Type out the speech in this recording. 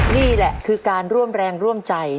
นี่แหละคือการร่วมแรงร่วมใจ